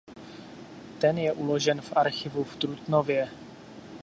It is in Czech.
Ten je uložen v archivu v Trutnově.